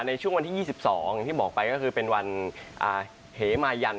ในช่วงวันที่ยี่สิบสองที่บอกไปก็คือเป็นวันอ่าเฮมายันทร์